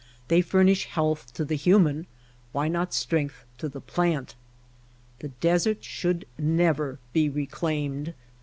They furnish health to the human ; why not strength to the plant ? The deserts should never be reclaimed.